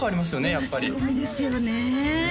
やっぱりすごいですよね